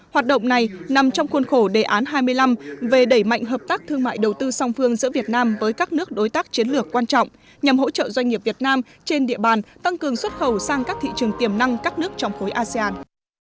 hoạt động này nằm trong khuôn khổ đề án hai mươi năm về đẩy mạnh hợp tác thương mại đầu tư song phương giữa việt nam với các nước đối tác chiến lược quan trọng nhằm hỗ trợ doanh nghiệp việt nam trên địa bàn tăng cường xuất khẩu sang các thị trường tiềm năng các nước trong khối asean